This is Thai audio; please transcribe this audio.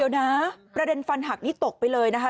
เดี๋ยวนะประเด็นฟันหักนี้ตกไปเลยนะคะ